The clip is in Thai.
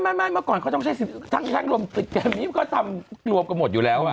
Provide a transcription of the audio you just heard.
ไม่เมื่อก่อนเขาต้องใช้ช่างรมติกแบบนี้มันก็ทำรวมกับหมดอยู่แล้วว่ะ